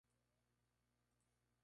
Además, se le añadió un claustro.